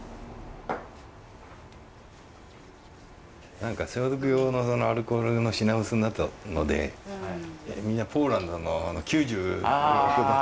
何か消毒用のアルコール品薄になったのでみんなポーランドの９６度の。